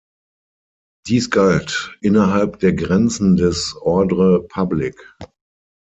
Dies galt „innerhalb der Grenzen des ordre public“.